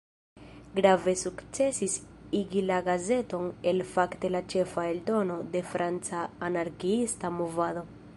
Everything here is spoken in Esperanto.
Grave sukcesis igi la gazeton el fakte la "ĉefa" eldono de franca anarkiista movado.